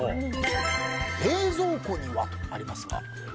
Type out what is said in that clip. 冷蔵庫にはとありますが。